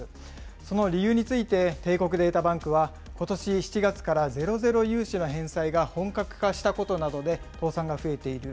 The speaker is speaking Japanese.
その理由について、帝国データバンクは、ことし７月からゼロゼロ融資の返済が本格化したことなどで、倒産が増えている。